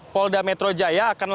polda metro jaya akan melalui kondisi